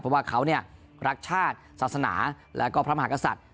เพราะว่าเขารักชาติศาสนาแล้วก็พระมหากษัตริย์